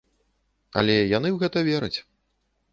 Але яны ў гэта вераць.